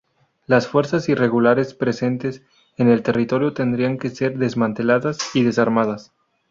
Las fuerzas irregulares presentes en el territorio tendrían que ser desmanteladas y desarmadas.